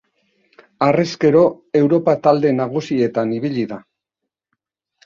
Harrezkero, Europa talde nagusietan ibili da.